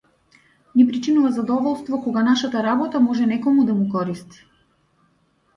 Ни причинува задоволство кога нашата работа може некому да му користи.